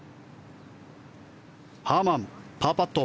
ハーマン、パーパット。